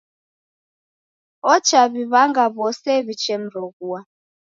Ochaw'iw'anga w'ose w'ichemroghua.